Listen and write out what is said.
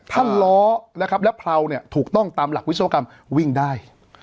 ถ้าล้อและเพราถูกต้องตามหลักวิศวกรรมวิ่งได้